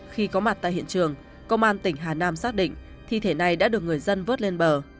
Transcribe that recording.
khi có mặt tại hiện trường công an tỉnh hà nam xác định thi thể này đã được người dân vớt lên bờ